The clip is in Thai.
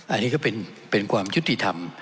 อันนี้ก็เป็นความยุติธรรม